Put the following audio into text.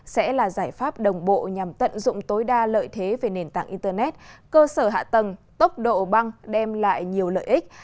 sẽ là giải pháp đồng bộ nhằm tận dụng tối đa lợi thế về nền tảng internet cơ sở hạ tầng tốc độ băng đem lại nhiều lợi ích